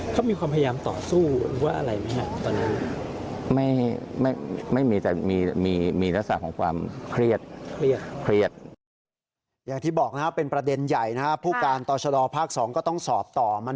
เขามีความพยายามต่อสู้หรือว่าอะไรไหมครับตอนนั้น